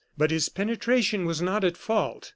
But his penetration was not at fault.